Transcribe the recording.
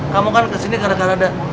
kamu kan kesini gara gara ada